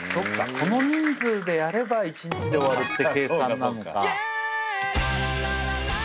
この人数でやれば１日で終わるって計算なのか。